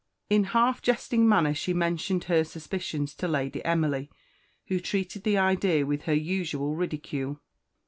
In half jesting manner she mentioned her suspicions to Lady Emily, who treated the idea with her usual ridicule.